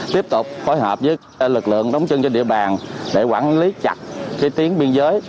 tiếp tục phối hợp với lực lượng đóng chân trên địa bàn để quản lý chặt cái tuyến biên giới